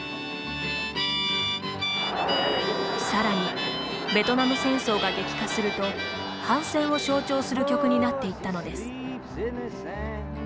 さらにベトナム戦争が激化すると反戦を象徴する曲になっていったのです。